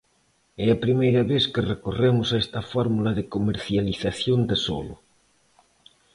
É a primeira vez que recorremos a esta fórmula de comercialización de solo.